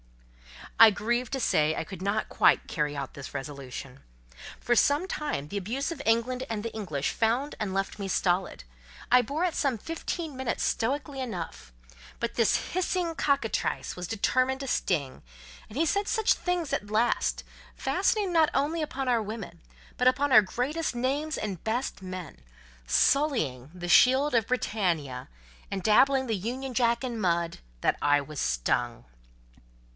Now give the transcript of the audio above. I grieve to say I could not quite carry out this resolution. For some time the abuse of England and the English found and left me stolid: I bore it some fifteen minutes stoically enough; but this hissing cockatrice was determined to sting, and he said such things at last—fastening not only upon our women, but upon our greatest names and best men; sullying, the shield of Britannia, and dabbling the union jack in mud—that I was stung.